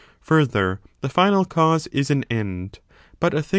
Further, the final cause is an end; but a thing 5.